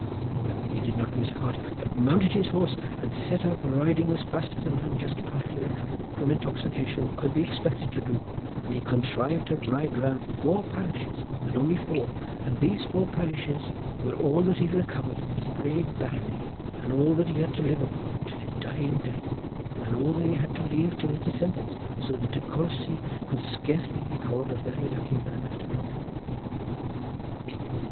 However, he did not lose heart, but mounted his horse and set off riding as fast as a man just partly recovered from intoxication could be expected to do, and he contrived to ride round four parishes, and only four, and these four parishes were all that he recovered of his brave barony, and all that he had to live upon till his dying day, and all that he had to leave to his descendants, so that De Courcy could scarcely be called a very lucky man, after all."